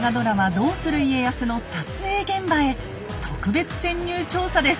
「どうする家康」の撮影現場へ特別潜入調査です。